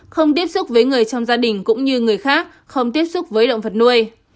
không tiếp xúc với người trong gia đình cũng như người khác không tiếp xúc với động vật nuôi